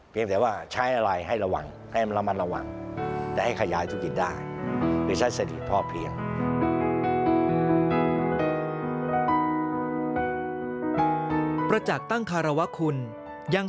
เพียงแต่ว่าใช้อะไรให้ระวัง